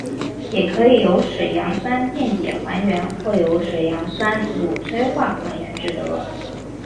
也可以由水杨酸电解还原或由水杨酰卤催化还原制得。